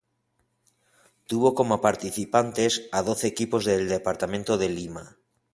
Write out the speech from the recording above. Tuvo como participantes a doce equipos del Departamento de Lima.